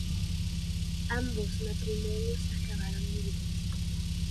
Ambos matrimonios acabaron en divorcio.